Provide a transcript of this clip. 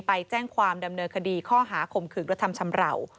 ไปแจ้งความดำเนินคดีข้อหาข่มขืนกระทำชำราว